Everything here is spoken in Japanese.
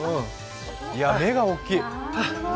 目が大きい。